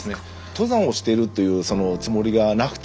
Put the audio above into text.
登山をしているというつもりがなくてもですね